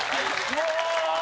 もう！